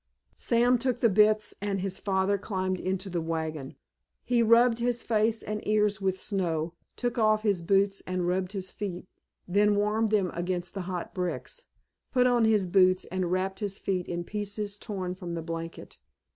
Sam took the bits and his father climbed into the wagon. He rubbed his face and ears with snow, took off his boots and rubbed his feet, then warmed them against the hot bricks, put on his boots and wrapped his feet in pieces torn from the blanket.